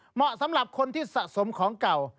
เหมาะสำหรับคนที่สะสมของเก่า